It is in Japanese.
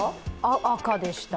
赤でした。